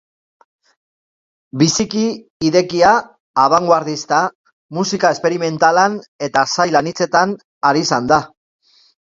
Biziki idekia, abangoardista, musika esperimentalan eta sail anitzetan arizan da.